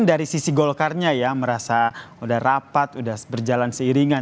dari sisi golkarnya ya merasa udah rapat udah berjalan seiringan